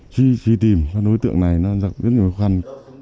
truy tìm các đối tượng này rất là khó khăn